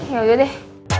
ya udah deh